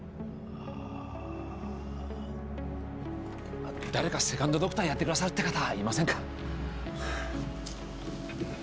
あ誰かセカンドドクターやってくださるって方いませんか？